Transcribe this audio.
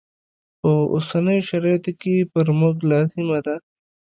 په اوسنیو شرایطو کې پر موږ لازمه ده.